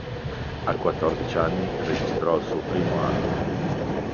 A quattordici anni registrò il suo primo album.